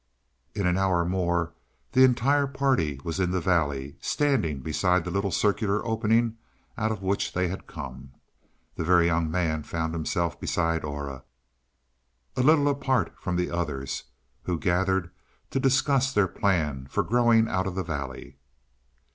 In an hour more the entire party was in the valley, standing beside the little circular opening out of which they had come. The Very Young Man found himself beside Aura, a little apart from the others, who gathered to discuss their plan for growing out of the valley.